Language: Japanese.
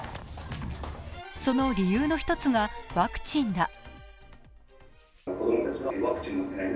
その理由の１つがワクチンだ。